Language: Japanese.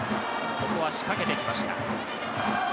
ここは仕掛けてきました。